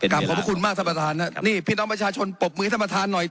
ขอบพระคุณมากท่านประธานครับนี่พี่น้องประชาชนปรบมือให้ท่านประธานหน่อย